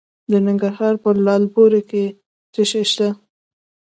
د ننګرهار په لعل پورې کې څه شی شته؟